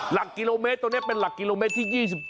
หลักกิโลเมตรตรงนี้เป็นหลักกิโลเมตรที่๒๗